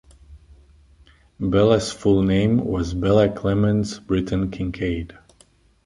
Belle's full name was Belle Clemens Britton Kincaid.